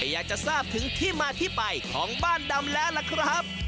อยากจะทราบถึงที่มาที่ไปของบ้านดำแล้วล่ะครับ